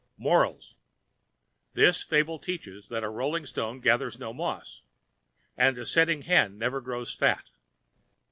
MORALS: This Fable teaches that a Rolling Stone Gathers No Moss, and a Setting Hen Never Grows Fat.